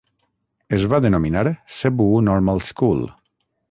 Es va denominar "Cebu Normal School".